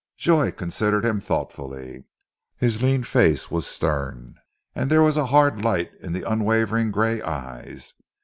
Joy considered him thoughtfully. His lean face was stern, and there was a hard light in the unwavering grey eyes.